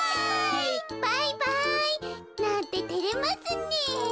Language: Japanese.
バイバイなんててれますねえ。